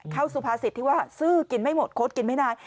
สุภาษิตที่ว่าซื้อกินไม่หมดโค้ดกินไม่นาน